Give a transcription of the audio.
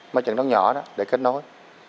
máy trận đón nhỏ đó để kết nối